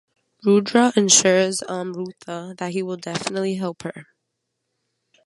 Rudra ensures Amrutha that he will definitely help her.